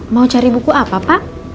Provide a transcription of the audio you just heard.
mau cari buku apa pak